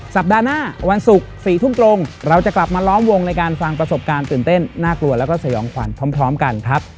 สัปดาห์หน้าวันศุกร์๔ทุ่มตรงเราจะกลับมาล้อมวงในการฟังประสบการณ์ตื่นเต้นน่ากลัวแล้วก็สยองขวัญพร้อมกันครับ